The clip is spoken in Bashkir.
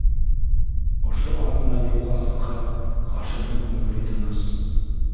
Ошо ат менән юлға сыҡһа, Хашимдың күңеле тыныс.